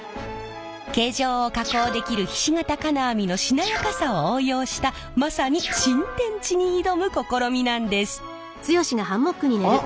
形状を加工できるひし形金網のしなやかさを応用したまさに新天地に挑む試みなんです！